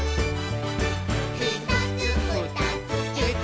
「ひとつふたつえっと」